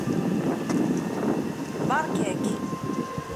Beṛka-k.